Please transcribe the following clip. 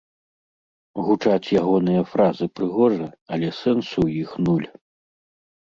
Гучаць ягоныя фразы прыгожа, але сэнсу ў іх нуль.